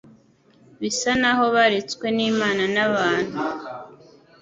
bisa naho baretswe n'Imana n'abantu;